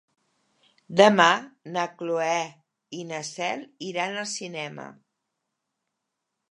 Demà na Cloè i na Cel iran al cinema.